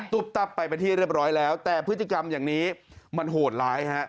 ตุ๊บตับไปเป็นที่เรียบร้อยแล้วแต่พฤติกรรมอย่างนี้มันโหดร้ายฮะ